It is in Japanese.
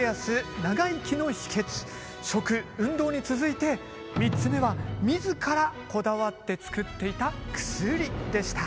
「食」「運動」に続いて３つ目は自らこだわって作っていた薬でした。